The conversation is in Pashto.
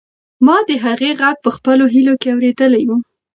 ما د هغې غږ په خپلو هیلو کې اورېدلی و.